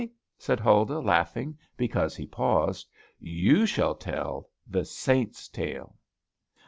said Huldah laughing, because he paused. "You shall tell THE SAINT'S TALE."